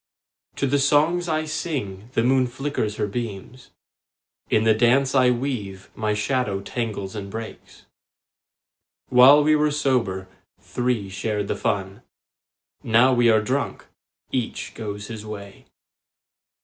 To the songs I sing the moon flickers her beams; In the dance I weave my shadow tangles and breaks. While we were sober, three shared the fun; Now we are drunk, each goes his way.